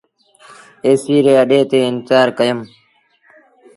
ايسيٚ ري اَڏي تي انتزآر ڪيٚم۔